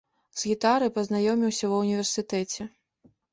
З гітарай пазнаёміўся ва ўніверсітэце.